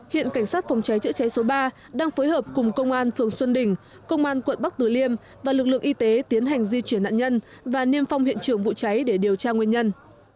hiện cảnh sát phòng cháy chữa cháy số ba đang phối hợp cùng công an phường xuân đình công an quận bắc tử liêm và lực lượng y tế tiến hành di chuyển nạn nhân và niêm phong hiện trường vụ cháy để điều tra nguyên nhân